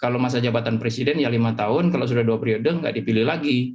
kalau masa jabatan presiden ya lima tahun kalau sudah dua periode nggak dipilih lagi